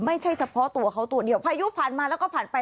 ไม่ใช่เฉพาะตัวเขาตัวเดียวพายุผ่านมาแล้วก็ผ่านไป